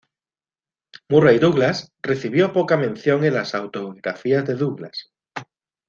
Murray-Douglass recibió poca mención en las autobiografías de Douglass.